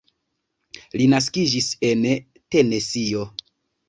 Li naskiĝis en Tenesio.